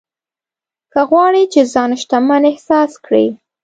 که غواړې چې ځان شتمن احساس کړې.